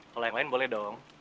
kalau yang lain boleh dong